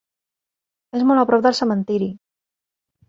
És molt a prop del cementiri.